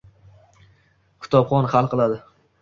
kitobxon hal qiladi.